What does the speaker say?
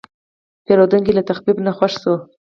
پیرودونکی له تخفیف نه خوښ شو.